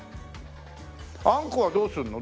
あんこはどうするの？